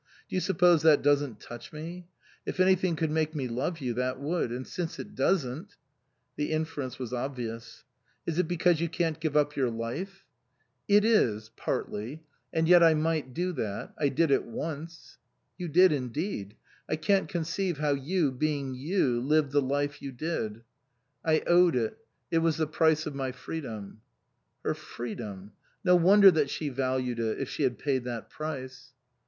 Do you suppose that doesn't touch me ? If anything could make me love you, that would. And since it doesn't " The inference was obvious. " Is it because you can't give up your life ?" 180 OUTWARD BOUND " It is partly. And yet I might do that. I did it once." " You did indeed. I can't conceive how you, being you, lived the life you did "" I owed it. It was the price of my freedom." Her freedom ! No wonder that she valued it, if she had paid that price